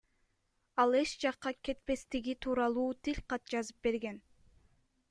Ал эч жакка кетпестиги тууралуу тил кат жазып берген.